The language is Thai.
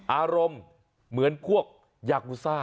อารมณ์เหมือนพวกยากูซ่า